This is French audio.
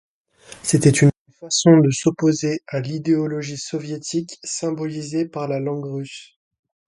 C’était une façon de s’opposer à l’idéologie soviétique, symbolisée par la langue russe.